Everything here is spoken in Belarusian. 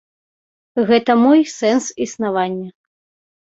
Гэта мой сэнс існавання.